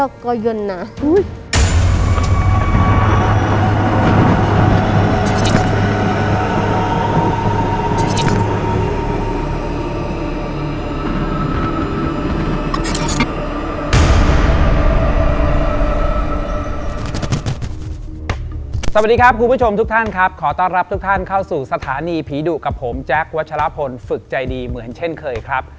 สวัสดีครับคุณผู้ชมทุกท่านครับขอต้อนรับทุกท่านเข้าสู่สถานีผีดุกับผมแจ๊ควัชลพลฝึกใจดีเหมือนเช่นเคยครับ